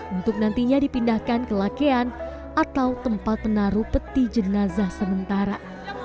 untuk nantinya dipindahkan ke lakean atau tempat menaruh peti jenazah sementara